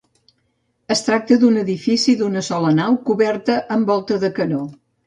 Es tracta d'un edifici d'una sola nau coberta amb volta de canó.